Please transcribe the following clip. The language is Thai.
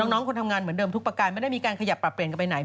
น้องคนทำงานเหมือนเดิมทุกประการไม่ได้มีการขยับปรับเปลี่ยนกันไปไหน